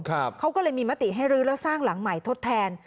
เขาก็เลยมีมติให้รื้อแล้วสร้างหลังใหม่ทดแทน